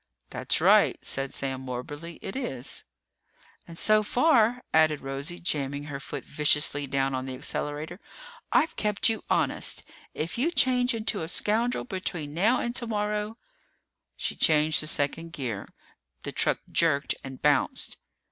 "That's right," said Sam morbidly. "It is." "And so far," added Rosie, jamming her foot viciously down on the accelerator, "I've kept you honest. If you change into a scoundrel between now and tomorrow " She changed to second gear. The truck jerked and bounced.